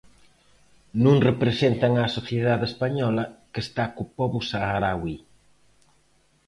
Non representan á sociedade española, que está co pobo saharauí.